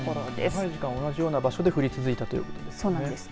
長い時間同じような場所で降り続いたということですね。